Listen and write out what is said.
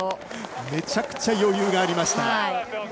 めちゃくちゃ余裕がありました。